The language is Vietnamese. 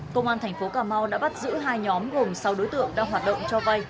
công an thành phố cà mau đã bắt giữ hai nhóm gồm sáu đối tượng đang hoạt động cho vay